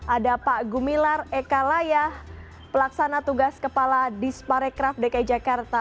ada pak gumilar ekalayah pelaksana tugas kepala disparekraf dki jakarta